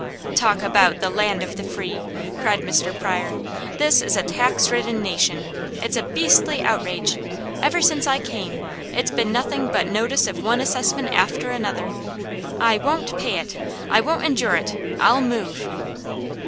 "Talk about 'the land of the free'!" cried Mr. Pryor. "This is a tax ridden nation. It's a beastly outrage! Ever since I came, it's been nothing but notice of one assessment after another. I won't pay it! I won't endure it. I'll move!"